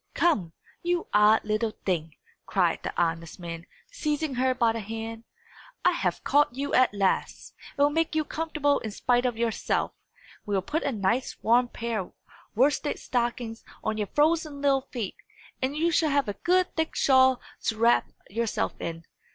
"Come, you odd little thing!" cried the honest man, seizing her by the hand, "I have caught you at last, and will make you comfortable in spite of yourself. We will put a nice warm pair of worsted stockings on your frozen little feet, and you shall have a good thick shawl to wrap yourself in.